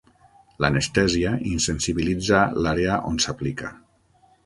L'anestèsia insensibilitza l'àrea on s'aplica.